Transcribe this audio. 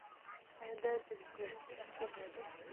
آیا دا د ډیموکراسۍ اصل نه دی؟